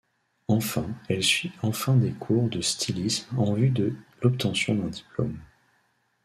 Enfin elle suit enfin des cours de stylisme en vue de l'obtention d'un diplôme.